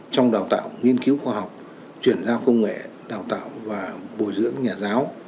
trong đào tạo nghiên cứu khoa học chuyển giao công nghệ đào tạo và bồi dưỡng nhà giáo